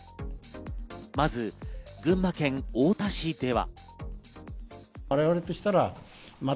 まず群馬県太田市では。